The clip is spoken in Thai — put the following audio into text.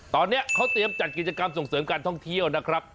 ตอนนี้เขาเตรียมจัดกิจกรรมส่งเสริมการท่องเที่ยวนะครับ